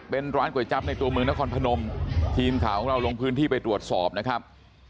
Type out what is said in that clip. เป็นร้านก๋วยจับในตัวเมืองนครพนมทีมข่าวของเราลงพื้นที่ไปตรวจสอบนะครับ